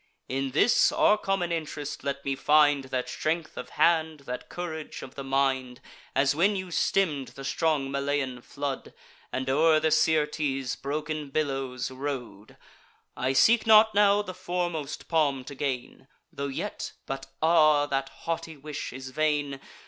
In this, our common int'rest, let me find That strength of hand, that courage of the mind, As when you stemm'd the strong Malean flood, And o'er the Syrtes' broken billows row'd. I seek not now the foremost palm to gain; Tho' yet——But, ah! that haughty wish is vain!